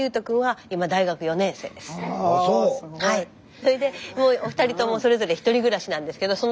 それでお二人ともそれぞれひとり暮らしなんですけど